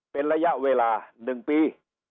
เป็นระยะเวลา๑ปี